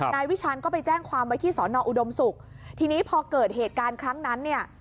นายวิชาณก็ไปแจ้งความไว้ที่สอนออุดมศุกร์ทีนี้พอเกิดเหตุการณ์ครั้งนั้นเนี่ย